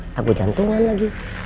ntar gue jantungan lagi